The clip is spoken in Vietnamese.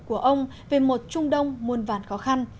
của ông về một trung đông muôn vàn khó khăn